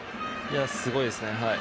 すごいですね。